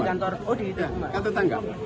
di kantor di kantor tangga